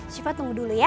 sifat tunggu dulu ya